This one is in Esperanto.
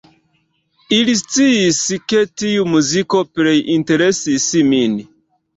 Ili sciis, ke tiu muziko plej interesis min.